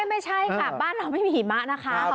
ไม่ใช่ค่ะบ้านเราไม่มีหิมะนะคะ